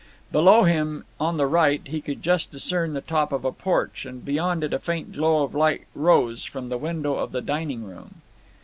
Below him, on the right, he could just discern the top of the porch, and beyond it a faint glow of light rose from the window of the dining room.